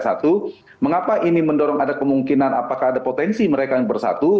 satu mengapa ini mendorong ada kemungkinan apakah ada potensi mereka yang bersatu